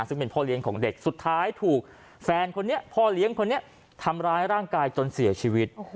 ซึ่งเป็นพ่อเลี้ยงของเด็กสุดท้ายถูกแฟนคนนี้พ่อเลี้ยงคนนี้ทำร้ายร่างกายจนเสียชีวิต